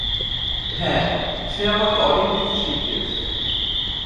হ্যাঁ, সে আমাকে অনেক কিছু শিখিয়েছে।